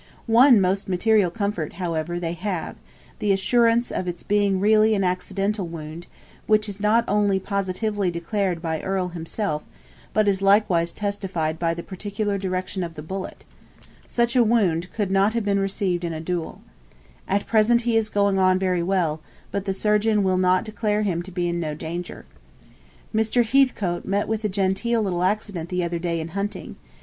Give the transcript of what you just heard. One most material comfort, however, they have; the assurance of its being really an accidental wound, which is not only positively declared by Earle himself, but is likewise testified by the particular direction of the bullet. Such a wound could not have been received in a duel. At present he is going on very well, but the surgeon will not declare him to be in no danger. Mr. Heathcote met with a genteel little accident the other day in hunting.